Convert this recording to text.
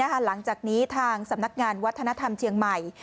หลังจากนี้ทางสำนักงานวัฒนธรรมเชียงใหม่